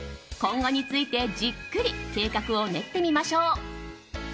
今後についてじっくり計画を練ってみましょう。